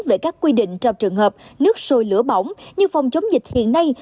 về các quy định trong trường hợp nước sôi lửa bỏng như phòng chống dịch hiện nay